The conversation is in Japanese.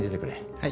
はい。